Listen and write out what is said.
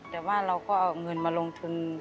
แต่ว่าเราก็เอาเงินมาลงทุน